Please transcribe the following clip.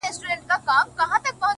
نن مي بيا يادېږي ورځ تېرېږي’